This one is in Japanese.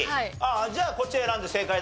じゃあこっち選んで正解だね。